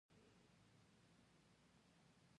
مېوې د افغانستان د طبعي سیسټم توازن په ښه توګه ساتي.